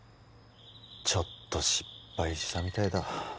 ちょっと失敗したみたいだ